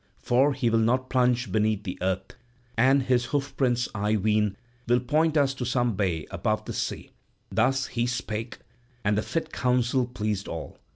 For he will not plunge beneath the earth; and his hoof prints, I ween, will point us to some bay above the sea." Thus he spake, and the fit counsel pleased all.